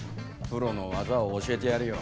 プロの技を教えてやるよ。